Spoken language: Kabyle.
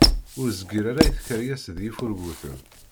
Ur zeggir ara i tkeryas d yifurguten.